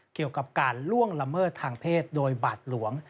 เกี่ยวกับการล่วงละเมิดทางเพศโดยบาดหลวง